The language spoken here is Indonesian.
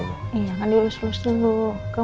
kita pernah lihat juga inisupport portalnya